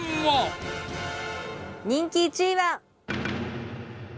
人気１位は。